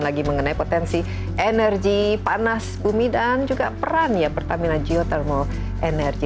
lagi mengenai potensi energi panas bumi dan juga peran ya pertamina geothermal energy